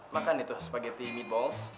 makan itu spagetti meatballs